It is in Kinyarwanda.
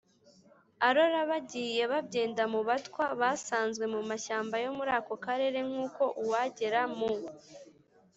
arora bagiye babyenda mu batwa basanzwe mu mashyamba yo muri ako karere. nk’uko uwagera mu